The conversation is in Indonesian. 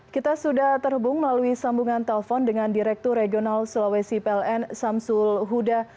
kita sudah terhubung melalui sambungan telpon dengan direktur regional sulawesi pln samsul huda